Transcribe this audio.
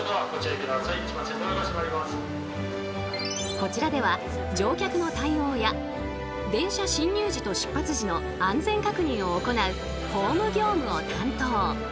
こちらでは乗客の対応や電車進入時と出発時の安全確認を行うホーム業務を担当。